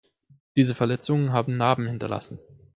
Diese Verletzungen haben Narben hinterlassen.